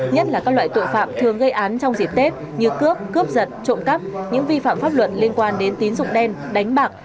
nhất là các loại tội phạm thường gây án trong dịp tết như cướp cướp giật trộm cắp những vi phạm pháp luật liên quan đến tín dụng đen đánh bạc